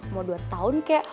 mau dua tahun kek